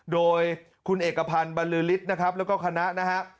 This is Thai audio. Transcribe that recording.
โดยคุณเอกพันธ์บรรลือฤทธิ์นะครับแล้วก็คณะนะฮะ